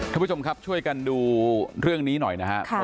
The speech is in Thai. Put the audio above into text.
ท่านผู้ชมครับช่วยกันดูเรื่องนี้หน่อยนะครับ